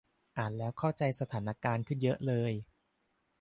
อ่านแล้วเข้าใจสถานการณ์ขึ้นเยอะเลย